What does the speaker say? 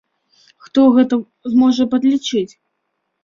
Хто гэта зможа падлічыць?